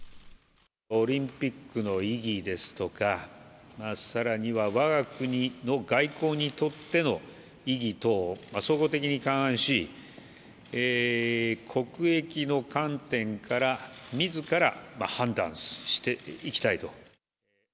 オリンピックの意義ですとか、さらにはわが国の外交にとっての意義等を総合的に勘案し、国益の観点から、みずから判断していきたいと。